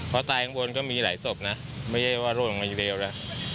เพราะตายข้างบนก็มีหลายศพน่ะไม่ได้ว่าหลุดมาอย่างเดียวน่ะ